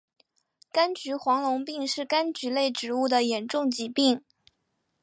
柑橘黄龙病是柑橘类植物的严重疾病。